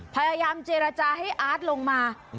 พยายามเจรจาให้อาร์ตลงมา